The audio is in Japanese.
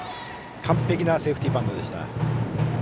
完璧なセーフティーバントです。